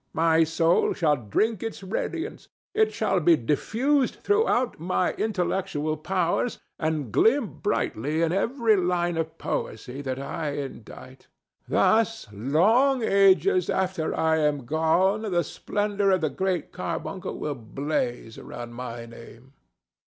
My soul shall drink its radiance; it shall be diffused throughout my intellectual powers and gleam brightly in every line of poesy that I indite. Thus long ages after I am gone the splendor of the Great Carbuncle will blaze around my name."